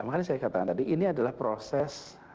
makanya saya katakan tadi ini adalah proses